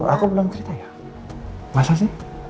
aku belum cerita ya masa sih